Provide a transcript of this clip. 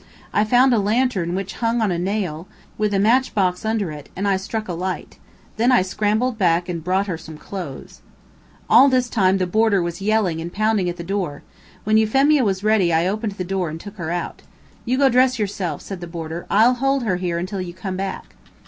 I found a lantern which hung on a nail, with a match box under it, and I struck a light. Then I scrambled back and brought her some clothes. All this time the boarder was yelling and pounding at the door. When Euphemia was ready I opened the door and took her out. "You go dress yourself;" said the boarder. "I'll hold her here until you come back."